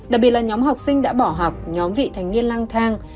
đặc biệt là nhóm học sinh đã bỏ học nhóm vị thành niên lang thang